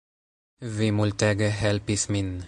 Vi multege helpis min